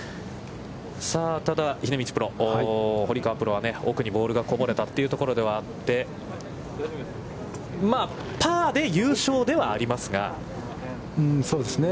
さあ、ただ、秀道プロ、堀川プロは、奥にボールがこぼれたというところではあって、まあ、パーで優勝ではありますが。